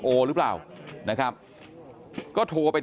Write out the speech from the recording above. กลุ่มตัวเชียงใหม่